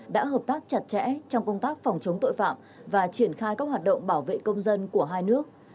đã hợp tác chặt chẽ trong công tác phòng chống tội phạm và triển khai các hoạt động bảo vệ công dân của hai nước